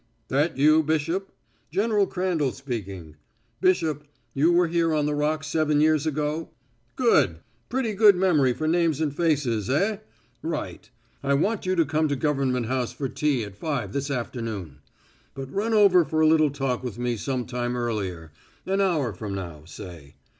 "That you, Bishop? ... General Crandall speaking.... Bishop, you were here on the Rock seven years ago? ... Good! ... Pretty good memory for names and faces, eh? ... Right! ... I want you to come to Government House for tea at five this afternoon.... But run over for a little talk with me some time earlier an hour from now, say.